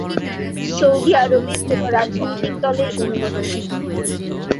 Saudi আরবে কোনও রাজনৈতিক দলের অনুমতি নেই।